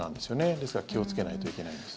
ですから気をつけないといけないんです。